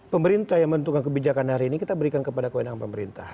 pemerintah yang menentukan kebijakan hari ini kita berikan kepada kewenangan pemerintah